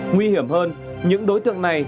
nguy hiểm hơn những đối tượng này